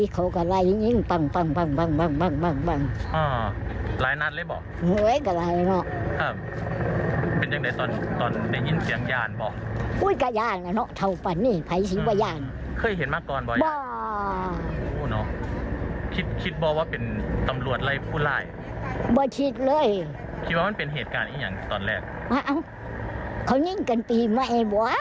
คิดว่ามันเป็นเหตุการณ์อย่างตอนแรกอ้าวเขายิงกันเลยนะผู้โบ๊ะ